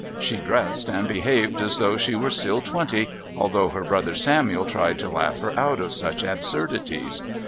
She dressed and behaved as though she were still twenty, although her brother Samuel tried to laugh her out of such absurdities.